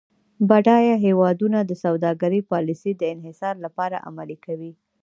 بډایه هیوادونه د سوداګرۍ پالیسي د انحصار لپاره عملي کوي.